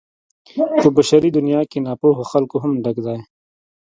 په بشري دنيا کې ناپوهو خلکو هم ډک دی.